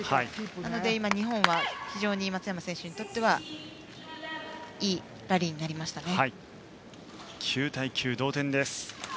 なので、今の２本は松山選手にとってはいいラリーになりましたね。